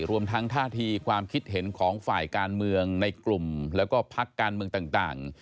รวมทั้งท่าทีความคิดเห็นของฝ่ายการเมืองในกลุ่มแล้วก็พักการเมืองต่าง